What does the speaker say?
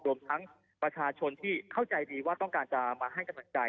รวมทั้งประชาชนที่เข้าใจดีว่าต้องการจะมาให้กำลังใจ